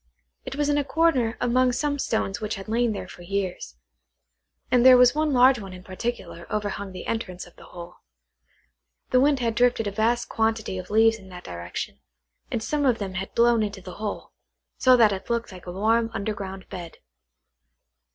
It was in a corner among some stones which had lain there for years; and there was one large one in particular overhung the entrance of the hole. The wind had drifted a vast quantity of leaves in that direction, and some of them had been blown into the hole, so that it looked like a warm underground bed.